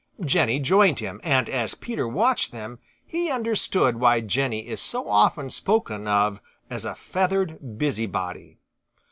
Jenny joined him, and as Peter watched them he understood why Jenny is so often spoken of as a feathered busybody.